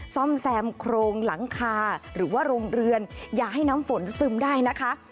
ซ่อมแซมโครงหลังคาหรือว่าโรงเรือนอย่าให้น้ำฝนซึมได้นะคะ